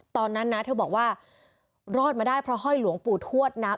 ตอนนั้นนะเธอบอกว่ารอดมาได้เพราะห้อยหลวงปู่ทวดนะ